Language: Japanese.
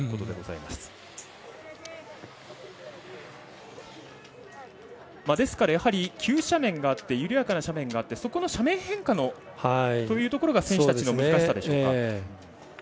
ですから、急斜面があって緩やかな斜面があってそこの斜面変化というところが選手たちの難しさでしょうか。